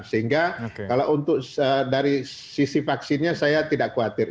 sehingga kalau untuk dari sisi vaksinnya saya tidak khawatir